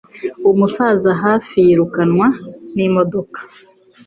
Umusaza hafi yirukanwa n'imodoka.